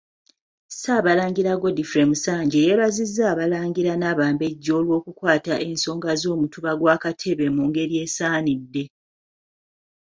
Ssaabalangira Godfrey Musanje, yeebazizza Abalangira n'Abambejja olw'okukwata ensonga z'omutuba gwa Katebe mu ngeri esaanidde.